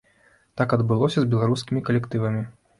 Так адбылося з беларускімі калектывамі.